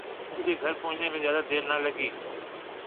مجھے گھر پہنچنے میں زیادہ دیر نہ لگی